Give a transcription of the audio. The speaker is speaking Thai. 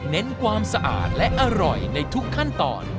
เน้นความสะอาดและอร่อยในทุกขั้นตอน